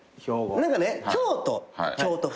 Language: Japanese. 何かね京都京都府。